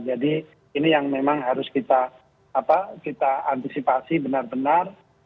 jadi ini yang memang harus kita antisipasi benar benar